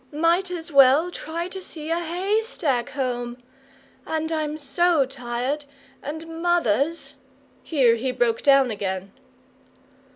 Might as well try to see a HAYSTACK home! And I'm so tired, and mother's " here he broke down again.